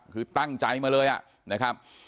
คือตั้งใจมาเลยนะครับ